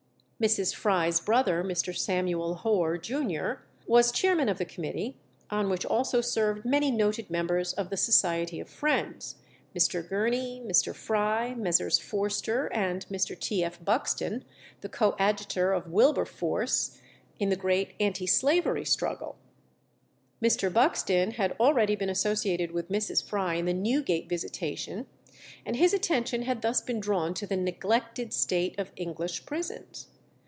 Mrs. Fry's brother, Mr. Samuel Hoare, Junior, was chairman of the committee, on which also served many noted members of the Society of Friends Mr. Gurney, Mr. Fry, Messrs. Forster, and Mr. T. F. Buxton, the coadjutor of Wilberforce in the great anti slavery struggle. Mr. Buxton had already been associated with Mrs. Fry in the Newgate visitation, and his attention had thus been drawn to the neglected state of English prisons.